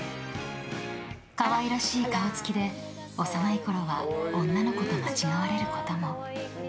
可愛らしい顔つきで、幼いころは女の子と間違われることも。